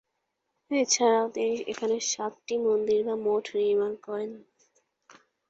এছাড়াও তিনি এখানে সাতটি মন্দির বা মঠ নির্মাণ করেন।